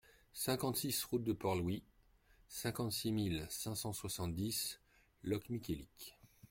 cinquante-six route de Port-Louis, cinquante-six mille cinq cent soixante-dix Locmiquélic